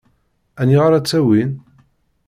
Aniɣer ad tt-awin?